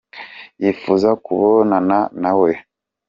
yifuza kukubona nawe.